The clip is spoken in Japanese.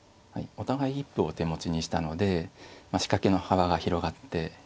お互い一歩を手持ちにしたので仕掛けの幅が広がっていますね。